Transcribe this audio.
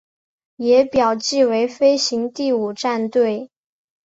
也表记为飞行第五战队。